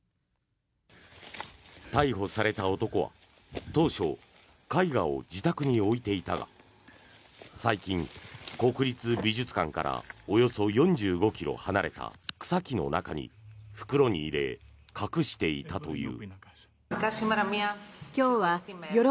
逮捕された男は当初、絵画を自宅に置いていたが最近、国立美術館からおよそ４５ｋｍ離れた草木の中に袋に入れ、隠していたという。